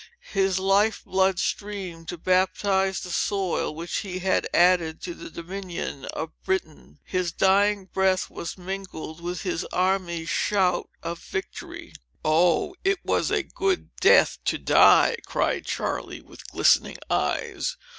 "His life blood streamed to baptize the soil which he had added to the dominion of Britain! His dying breath was mingled with his army's shout of victory!" "Oh, it was a good death to die!" cried Charley, with glistening eyes.